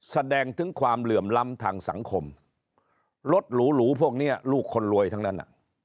แสดงถึงความเหลื่อมล้ำทางสังคมรถหรูพวกนี้ลูกคนรวยทั้งนั้น